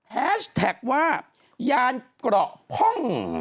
แฮชแท็กว่ายานเกราะพ่อง